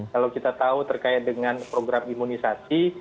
kalau kita tahu terkait dengan program imunisasi